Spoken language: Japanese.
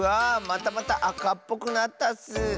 またまたあかっぽくなったッス。